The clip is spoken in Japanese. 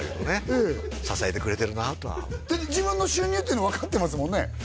ええ支えてくれてるなとはだって自分の収入っていうの分かってますもんね？